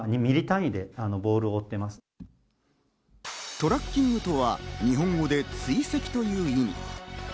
トラッキングとは、日本語で追跡という意味。